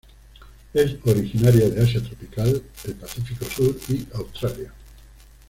Es originaria de Asia tropical, el Pacífico Sur, y Australia.